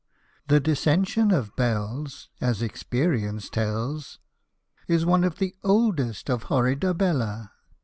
(The dissension of belles, As experience tells, Is one of the oldest of horrida Mia.)